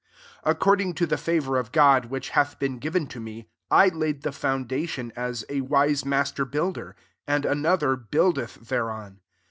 10 According to the faYOur of God, which hath been givea to me^ I laid the foundation, ift a wise master builder : and an other buildeth thereon.